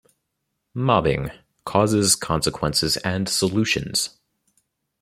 "Mobbing: Causes, Consequences, and Solutions".